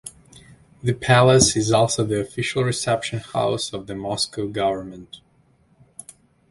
The palace is also the official Reception House of the Moscow government.